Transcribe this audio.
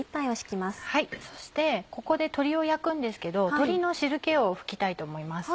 そしてここで鶏を焼くんですけど鶏の汁気を拭きたいと思います。